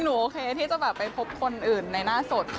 หนูโอเคที่จะมาไปพบคนอื่นในหน้าสดค่ะ